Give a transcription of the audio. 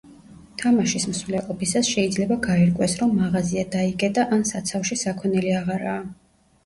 თამაშის მსვლელობისას შეიძლება გაირკვეს, რომ მაღაზია დაიკეტა ან საცავში საქონელი აღარაა.